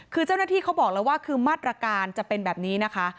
คือเจ้าหน้าที่เขาบอกแล้วว่าคือมาตรการจะเป็นแบบนี้นะคะ